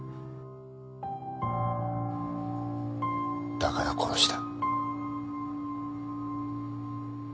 だから殺した。